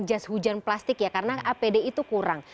jas hujan plastik ya karena apd itu kurang